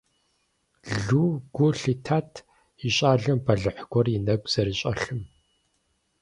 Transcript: Лу гу лъитат и щӀалэм бэлыхь гуэр и нэгу зэрыщӀэлъым.